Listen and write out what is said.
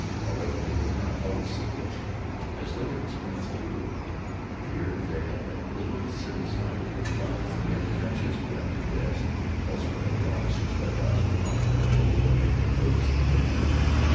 However, they were not always so fortunate, as later experience proved. Here there had been little serious fighting for months and the trenches were at their best. Elsewhere the officers' dugouts were often but little better than those of the men.